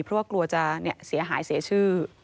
เพราะว่ากลัวจะเสียหายเสียชื่อ